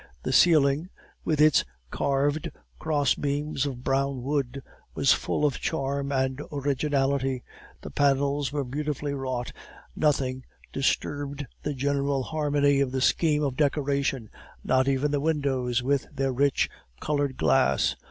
The ceiling, with its carved cross beams of brown wood, was full of charm and originality; the panels were beautifully wrought; nothing disturbed the general harmony of the scheme of decoration, not even the windows with their rich colored glass.